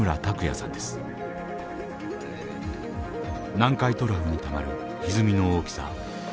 南海トラフにたまるひずみの大きさ。